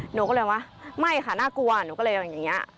หนูก็เลยว่าไม่ค่ะน่ากลัวหนูก็เลยอย่างนี้